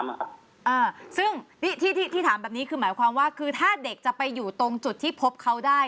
อ่าซึ่งที่ที่ถามแบบนี้คือหมายความว่าคือถ้าเด็กจะไปอยู่ตรงจุดที่พบเขาได้